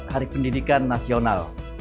hari pendidikan nasional